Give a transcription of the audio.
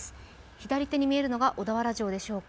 左手に見えるのが小田原城でしょうか。